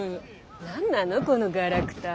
何なのこのガラクタ。